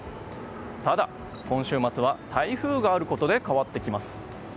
ただ、今週末は台風があることで変わってきます。